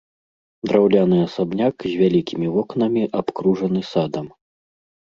Драўляны асабняк з вялікімі вокнамі абкружаны садам.